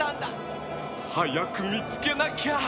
早く見つけなきゃ。